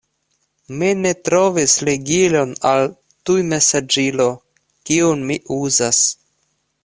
Mi ne trovis ligilon al tujmesaĝilo, kiun mi uzas.